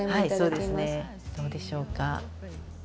どうでしょうか？